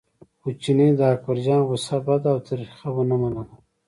خو چیني د اکبرجان غوسه بده او تریخه ونه منله.